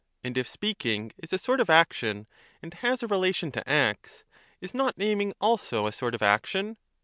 And if speaking is a sort of action and has a relation to acts, is not naming also a sort of action?